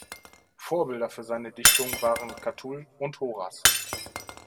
Vorbilder für seine Dichtung waren Catull und Horaz.